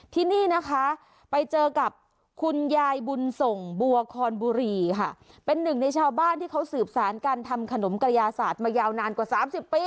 ที่นี่นะคะไปเจอกับคุณยายบุญส่งบัวคอนบุรีค่ะเป็นหนึ่งในชาวบ้านที่เขาสืบสารการทำขนมกระยาศาสตร์มายาวนานกว่าสามสิบปี